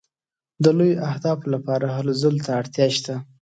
د لویو اهدافو لپاره هلو ځلو ته اړتیا شته.